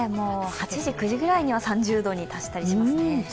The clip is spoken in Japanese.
８時、９時くらいには３０度に達したりしますね。